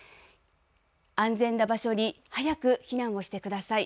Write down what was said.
安全な場所に早く避難をしてください。